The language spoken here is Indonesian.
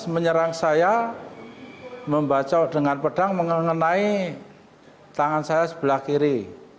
menyerang saya membaca dengan pedang mengenai tangan saya sebelah kiri